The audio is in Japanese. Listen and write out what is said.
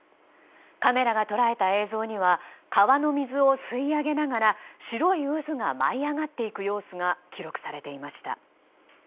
カメラが捉えた映像には川の水を吸い上げながら白い渦が舞い上がっていく様子が記録されていました。